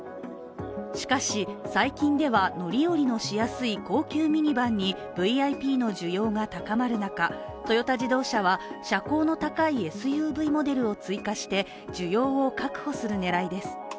しかし、最近では乗り降りのしやすい高級ミニバンにＶＩＰの需要が高まる中、トヨタ自動車は、車高の高いＳＵＶモデルを追加して需要を確保する狙いです。